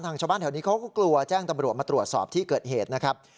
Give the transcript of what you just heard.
ชาวบ้านแถวนี้เขาก็กลัวแจ้งตำรวจมาตรวจสอบที่เกิดเหตุนะครับ